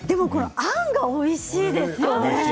あんがおいしいですよね。